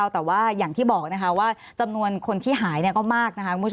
แต่ว่าอย่างที่บอกจำนวนคนที่หายก็มาก